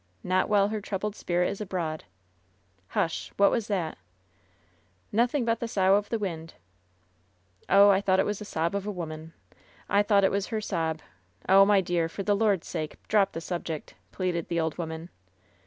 Not while her troubled spirit is abroad. Hush! What was that?" "Nothing but a sough of the wind.'' "Oh, I thought it was the sob of a woman. I thought it was her sob. Oh, my dear, for the Lord's sake, drop the subject," pleaded the old woman.